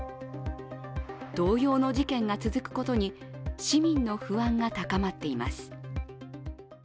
同様の事件が続くことに市民の不安が高まっています。